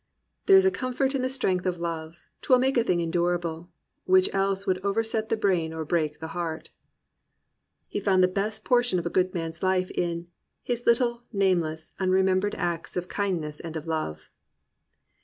"There is a comfort in the strength of love; 'Twill make a thing endurable, which else Would overset the brain or break the heart.'* He found the best portion of a good man*s life in "His little, nameless, unremembered acts Of kindness and of love."